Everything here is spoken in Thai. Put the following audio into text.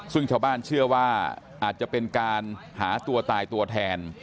ซึ่งชาวบ้านเชื่อว่าอาจจะเป็นการหาตัวตายตัวแทน